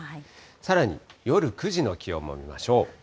さらに夜９時の気温も見ましょう。